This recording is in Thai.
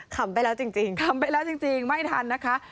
ไปแล้วจริงขำไปแล้วจริงไม่ทันนะคะ